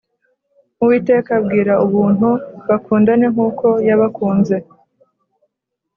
Uwiteka abwira Ubuntu bakundane nkuko yabakunze